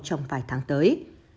trong vài tháng tới